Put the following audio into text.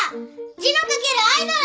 字の書けるアイドル！